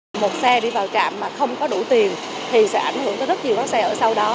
trạm mà không có đủ tiền thì sẽ ảnh hưởng tới rất nhiều các xe ở sau đó